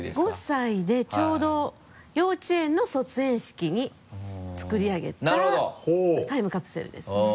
５歳でちょうど幼稚園の卒園式に作り上げたタイムカプセルですね。